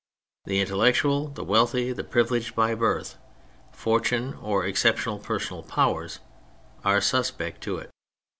The intellectual, the wealthy, the privileged by birth, fortune or exceptional personal powers, are suspect to it.